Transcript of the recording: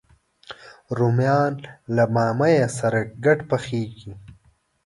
رومیان له بامیه سره ګډ پخېږي